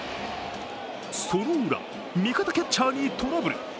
そのウラ、味方キャッチャーにトラブル。